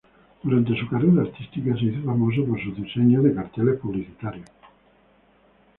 Durante su carrera artística se hizo famoso por sus diseños de carteles publicitarios.